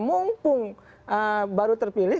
mumpung baru terpilih